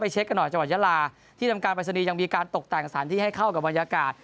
เช็คกันหน่อยจังหวัดยาลาที่ทำการปริศนีย์ยังมีการตกแต่งสถานที่ให้เข้ากับบรรยากาศ